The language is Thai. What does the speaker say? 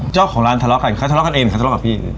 เจ้าของร้านทะเลาะกันเขาทะเลาะกันเองเขาทะเลาะกับพี่